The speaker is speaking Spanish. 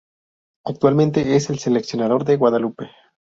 Actualmente es el seleccionador de la Guadalupe.